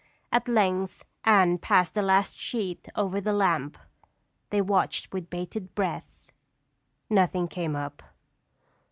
At length Anne passed the last sheet over the lamp. They watched with bated breath. Nothing came up.